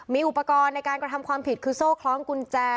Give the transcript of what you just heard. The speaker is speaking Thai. มีอุปกรณ์ในการกระทำความผิดคือโซ่คล้องกุญแจ